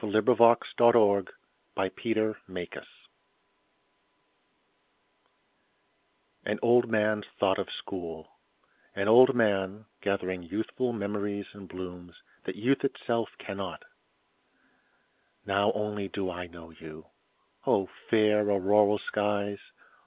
An Old Man's Thought of School AN old man's thought of School; An old man, gathering youthful memories and blooms, that youth itself cannot. Now only do I know you!O fair auroral skies!